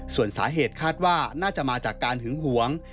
ส่วนสาเหตุคาดว่าน่าจะมาจากการหึงหวง